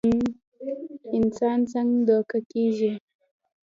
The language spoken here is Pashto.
انسان څنګ دوکه کيږي